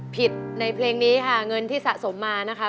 พิษในเพลงนี้ค่ะเงินที่สะสมมา